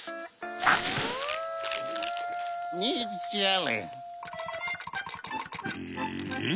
うん？